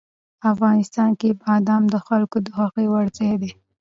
افغانستان کې بادام د خلکو د خوښې وړ ځای دی.